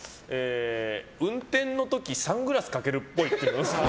運転の時サングラスかけるっぽい。